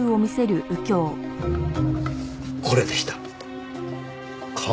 これでした。